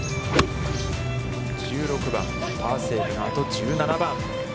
１６番、パーセーブのあと、１７番。